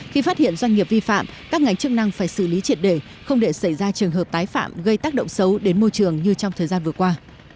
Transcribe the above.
khi phát hiện doanh nghiệp vi phạm các ngành chức năng phải xử lý triệt để không để xảy ra trường hợp tái phạm gây tác động xấu đến môi trường như trong thời gian vừa qua